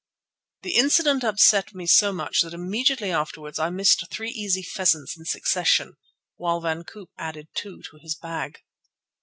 The incident upset me so much that immediately afterwards I missed three easy pheasants in succession, while Van Koop added two to his bag.